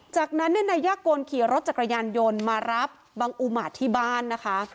จากนั้นนายยากลขี่รถจักรยานยนต์มารับบังอุมาตรที่บ้านนะคะ